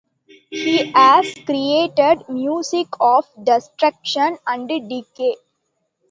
He has created music of destruction and decay.